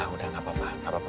udah gak apa apa